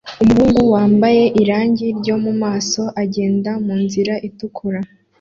Umuhungu wambaye irangi ryo mumaso agenda munzira itukura